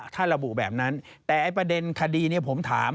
ถ้าระบุแบบนั้นแต่ไอ้ประเด็นคดีนี้ผมถาม